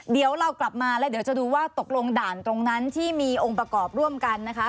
เดี๋ยวเรากลับมาแล้วเดี๋ยวจะดูว่าตกลงด่านตรงนั้นที่มีองค์ประกอบร่วมกันนะคะ